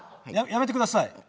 やめてください。